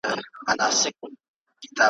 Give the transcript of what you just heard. له نیکونو ورته پاته همدا کور وو ,